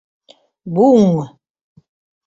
— Буҥ!